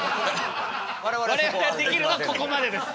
我々ができるのはここまでです。